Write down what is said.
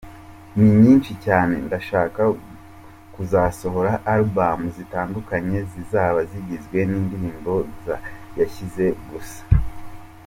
Ni nyinshi cyane, ndashaka kuzasohora album zitandukanye zizaba zigizwe n’indirimbo yasize gusa.